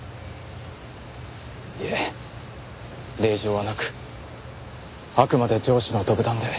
いえ令状はなくあくまで上司の独断で。